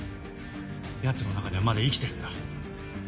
ヤツの中ではまだ生きてるんだ。